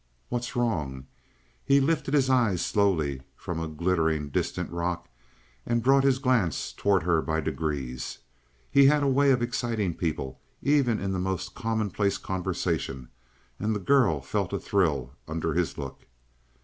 "What's wrong?" He lifted his eyes slowly from a glittering, distant rock, and brought his glance toward her by degrees. He had a way of exciting people even in the most commonplace conversation, and the girl felt a thrill under his look.